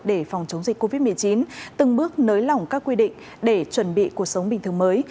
để phòng chống dịch covid một mươi chín từng bước nới lỏng các quy định để chuẩn bị cuộc sống bình thường mới